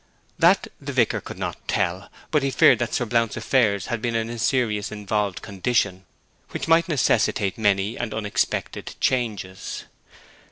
That the vicar could not tell. But he feared that Sir Blount's affairs had been in a seriously involved condition, which might necessitate many and unexpected changes.